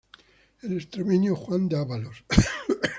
El extremeño Juan de Ávalos.